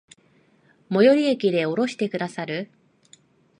最寄駅で降ろしてくださる？